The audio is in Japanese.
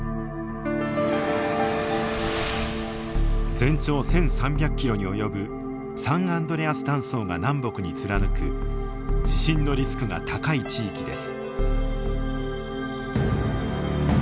全長１，３００キロに及ぶサンアンドレアス断層が南北に貫く地震のリスクが高い地域です。